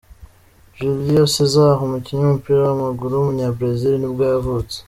Júlio César, umukinnyi w’umupira w’amaguru w’umunya-Brazil nibwo yavutse.